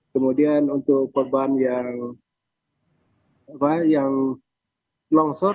kemudian untuk korban yang longsor